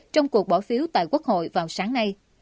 trong cuộc bỏ phiếu tại quốc hội vào sáng nay